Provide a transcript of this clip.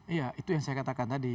iya itu yang saya katakan tadi